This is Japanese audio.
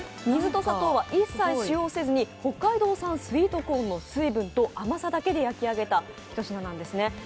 水と砂糖は一切使用せず北海道産のスイートコーンの水分と甘さだけで焼き上げたひと品なんですね。